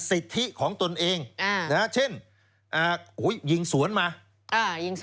สิทธิของตนเองอ่านะฮะเช่นอ่าอุ้ยยิงสวนมาอ่ายิงสวน